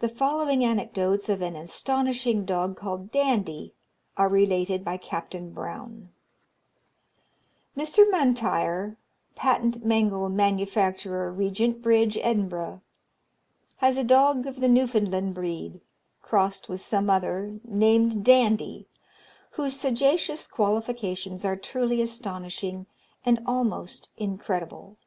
The following anecdotes of an astonishing dog called Dandie are related by Captain Brown: "Mr. M'Intyre, patent mangle manufacturer, Regent Bridge, Edinburgh, has a dog of the Newfoundland breed, crossed with some other, named Dandie, whose sagacious qualifications are truly astonishing and almost incredible.